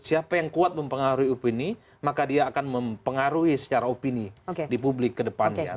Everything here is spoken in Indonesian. siapa yang kuat mempengaruhi opini maka dia akan mempengaruhi secara opini di publik ke depannya